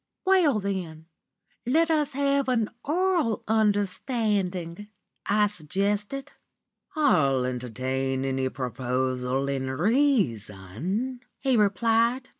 "'Well, then, let us have an oral understanding,' I suggested. "'I'll entertain any proposal in reason,' he replied.